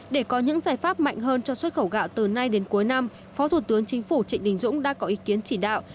để có những giải pháp mạnh hơn cho xuất khẩu gạo từ nay đến cuối năm phó thủ tướng chính phủ trịnh đình dũng đã có ý kiến chỉ đạo